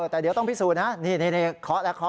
แต่เดี๋ยวต้องพิสูจน์นะนี่ขอแล้วขอ